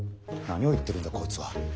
何を言ってるんだこいつは。